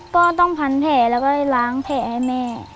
ก็ต้องพันแผลแล้วก็ล้างแผลให้แม่